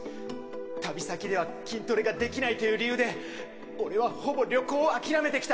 旅先では筋トレができないという理由で俺はほぼ旅行を諦めてきた。